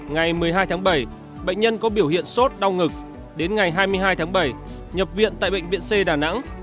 ngày một mươi hai tháng bảy bệnh nhân có biểu hiện sốt đau ngực đến ngày hai mươi hai tháng bảy nhập viện tại bệnh viện c đà nẵng